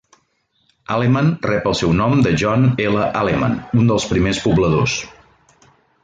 Alleman rep el seu nom de John L. Alleman, un dels primers pobladors.